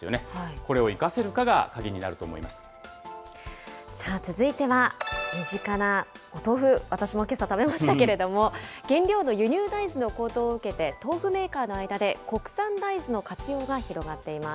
これを生かせるかが鍵になると思続いては身近なお豆腐、私もけさ食べましたけども、原料の輸入大豆の高騰を受けて、豆腐メーカーの間で国産大豆の活用が広がっています。